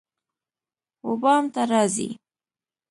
وبام ته راځی